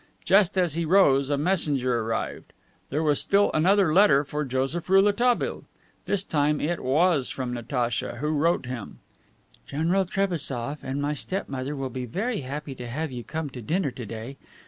Just as he rose, a messenger arrived. There was still another letter for Joseph Rouletabille. This time it was from Natacha, who wrote him: "General Trebassof and my step mother will be very happy to have you come to dinner to day.